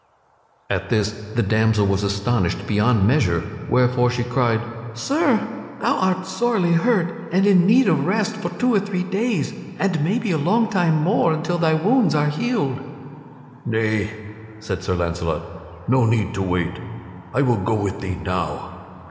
At this the damsel was astonished beyond measure, wherefore she cried: "Sir, thou art sorely hurt, and in need of rest for two or three days, and maybe a long time more, until thy wounds are healed." "Nay," said Sir Launcelot, "no need to wait; I will go with thee now."